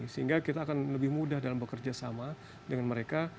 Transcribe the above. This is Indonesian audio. sehingga kita akan lebih mudah dalam bekerja sama dengan mereka